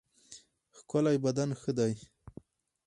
ښکلی بدن ښه دی.